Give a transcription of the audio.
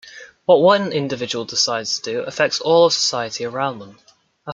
What one individual decides to do affects all of society around them.